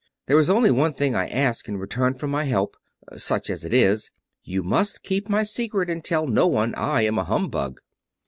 There is only one thing I ask in return for my help—such as it is. You must keep my secret and tell no one I am a humbug."